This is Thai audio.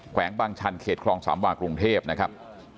วงบางชันเขตคลองสามวากรุงเทพนะครับ